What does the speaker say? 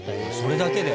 それだけで？